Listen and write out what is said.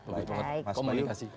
bagus banget komunikasi